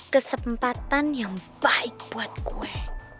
kesempatan yang baik buat gue